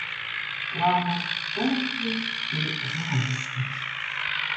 Ранок теплий і радісний.